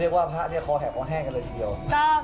เรียกว่าพระภะรีคอแห่มของแห้งกันเลยทีเดียว